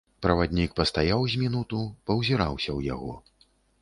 Праваднік пастаяў з мінуту, паўзіраўся ў яго.